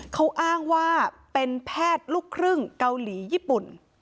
เขาอ้างว่าเป็นแพทย์ลูกครึ่งเกาหลีญี่ปุ่น